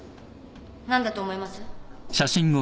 何だと思います？